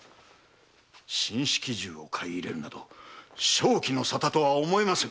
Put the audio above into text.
新式銃を買い入れるなど正気の沙汰とは思えません！